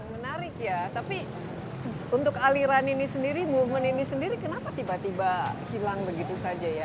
menarik ya tapi untuk aliran ini sendiri movement ini sendiri kenapa tiba tiba hilang begitu saja ya